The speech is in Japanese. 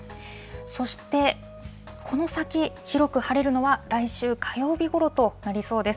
そして、この先、広く晴れるのは、来週火曜日ごろとなりそうです。